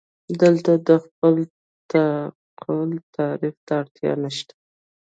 دلته د خپل تعقل تعریف ته اړتیا نشته.